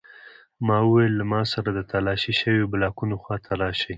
ما وویل له ما سره د تالاشي شویو بلاکونو خواته راشئ